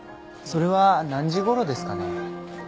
それは何時頃ですかね？